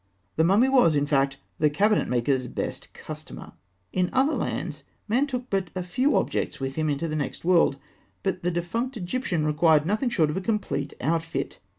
The mummy was, in fact, the cabinet maker's best customer. In other lands, man took but a few objects with him into the next world; but the defunct Egyptian required nothing short of a complete outfit.